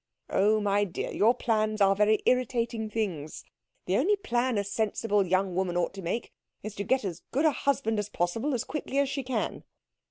"Oh, my dear, your plans are very irritating things. The only plan a sensible young woman ought to make is to get as good a husband as possible as quickly as she can."